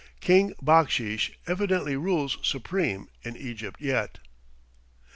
King Backsheesh evidently rules supreme in Egypt yet.